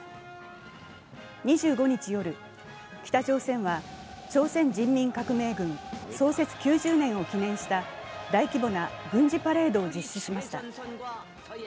２５日夜、北朝鮮は朝鮮人民革命軍創設９０年を記念した大規模な軍事パレードを実施しました。